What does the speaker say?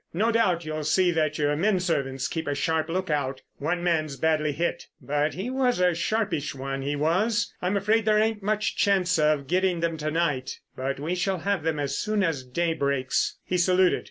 No doubt you'll see that your men servants keep a sharp look out. One man's badly hit—but he was a sharpish one, he was. I'm afraid there ain't much chance of getting them to night, but we shall have them as soon as day breaks." He saluted.